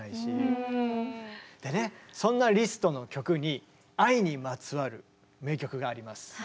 でねそんなリストの曲に愛にまつわる名曲があります。